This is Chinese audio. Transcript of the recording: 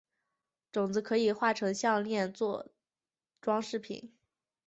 种子可以作成项炼当作装饰品。